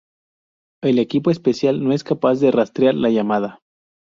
El equipo especial no es capaz de rastrear la llamada.